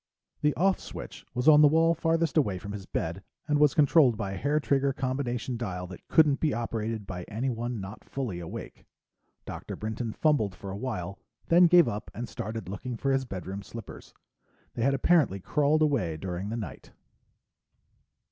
The "off" switch was on the wall farthest away from his bed and was controlled by a hairtrigger combination dial that couldn't be operated by anyone not fully awake. Dr. Brinton fumbled for a while, then gave up and started looking for his bedroom slippers. They had apparently crawled away during the night.